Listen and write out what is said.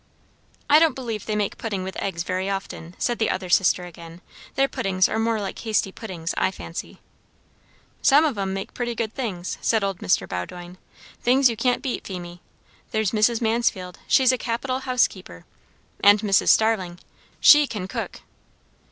"I don't believe they make puddings with eggs very often," said the other sister again. "Their puddings are more like hasty puddings, I fancy." "Some of 'em make pretty good things," said old Mr. Bowdoin. "Things you can't beat, Phemie. There's Mrs. Mansfield she's a capital housekeeper; and Mrs. Starling. She can cook."